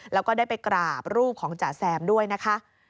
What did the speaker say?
แล้วก็ได้ไปกราบรูปของจ๋าแซมด้วยนะคะ